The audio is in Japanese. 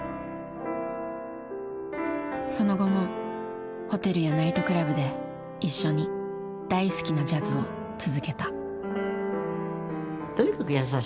その後もホテルやナイトクラブで一緒に大好きなジャズを続けた。